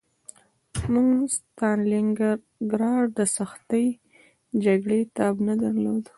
موږ د ستالینګراډ د سختې جګړې تاب نه درلود